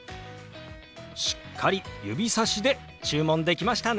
しっかり指さしで注文できましたね。